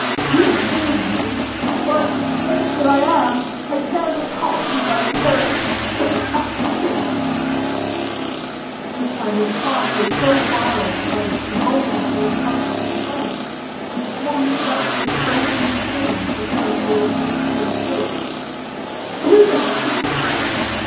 You have served me; but, wretch that I am, I can but cough you my thanks, ugh, ugh, ugh!" This time his cough was so violent that its convulsions were imparted to the plank, which swung him about like a stone in a sling preparatory to its being hurled.